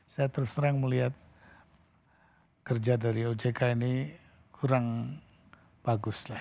saya terserang melihat kerja dari ujk ini kurang bagus lah